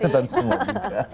nonton semua juga